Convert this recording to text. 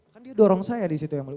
kan dia dorong saya disitu yang mulia